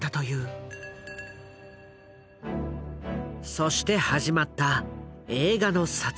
そして始まった映画の撮影。